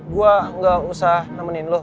gue gausah nemenin lo